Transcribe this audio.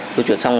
tôi chuyển xong